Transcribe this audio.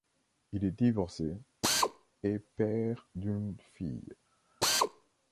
Il est divorcé et père d'une fille.